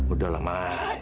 udah lah mas